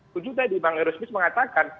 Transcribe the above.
setuju tadi bang erosmis mengatakan